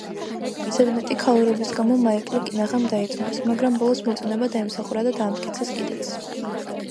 ზედმეტი ქალურობის გამო, მაიკლი კინაღამ დაიწუნეს, მაგრამ ბოლოს მოწონება დაიმსახურა და დაამტკიცეს კიდეც.